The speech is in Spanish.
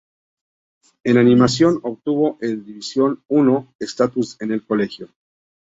En animación, obtuvo el Division I status en colegio.